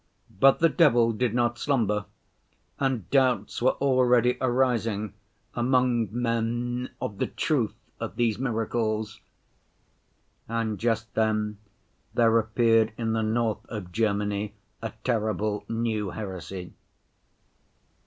But the devil did not slumber, and doubts were already arising among men of the truth of these miracles. And just then there appeared in the north of Germany a terrible new heresy.